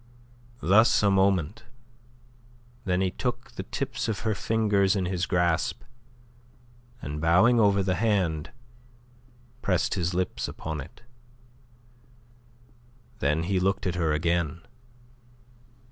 Thus a moment, then he took the tips of her fingers in his grasp, and bowing over the hand, pressed his lips upon it. Then he looked at her again.